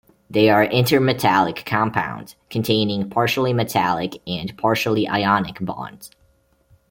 They are intermetallic compounds, containing partially metallic and partially ionic bonds.